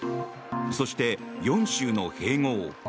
そして、４州の併合。